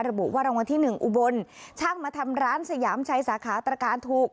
ระบุว่ารางวัลที่๑อุบลช่างมาทำร้านสยามชัยสาขาตรการถูก